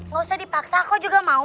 gak usah dipaksa kau juga mau